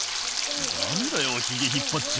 「ダメだよヒゲ引っ張っちゃ」